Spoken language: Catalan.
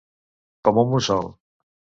Com un mussol.